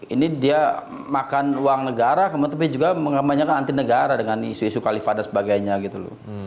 ini dia makan uang negara tapi juga mengamanyakan anti negara dengan isu isu kalifat dan sebagainya gitu loh